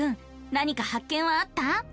なにか発見はあった？